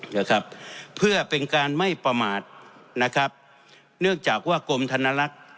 นะครับเพื่อเป็นการไม่ประมาทนะครับเนื่องจากว่ากรมธนลักษณ์